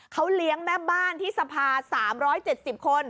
เขาเลี้ยงแม่บ้านที่สภา๓๗๐คน